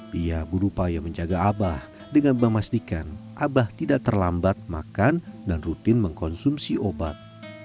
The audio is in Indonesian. pia berupaya menjaga abah dengan memastikan abah tidak terlambat makan dan rutin mengkonsumsi obat